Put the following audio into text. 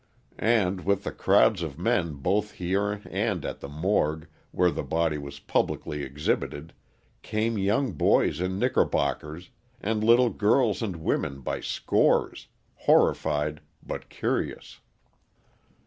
And, with the crowds of men both here and at the morgue where the body was publicly exhibited, came young boys in knickerbockers, and little girls and women by scores, horrified but curious.